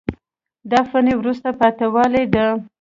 دا فني وروسته پاتې والی ده.